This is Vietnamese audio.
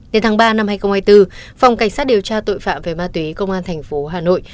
đến tháng ba năm hai nghìn hai mươi bốn phòng cảnh sát điều tra tội phạm về ma túy công an thành phố hà nội